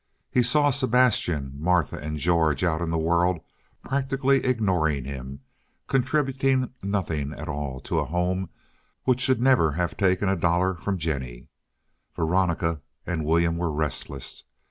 He saw Sebastian, Martha, and George out in the world practically ignoring him, contributing nothing at all to a home which should never have taken a dollar from Jennie. Veronica and William were restless.